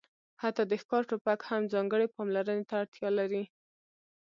حتی د ښکار ټوپک هم ځانګړې پاملرنې ته اړتیا لري